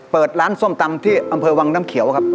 ๗๐๐๐๐เปิดร้านส้มตำที่วังน้ำเขียวครับ